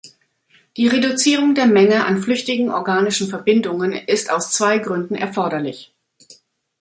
Die Reduzierung der Menge an flüchtigen organischen Verbindungen ist aus zwei Gründen erforderlich.